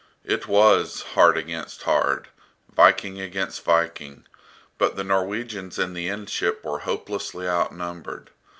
It was "hard against hard" Viking against Viking but the Norwegians in the end ship were hopelessly outnumbered.